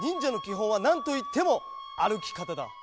ほんはなんといってもあるきかただ。